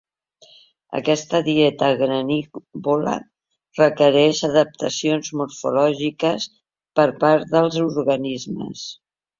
Aquesta dieta granívora requereix adaptacions morfològiques per part dels organismes.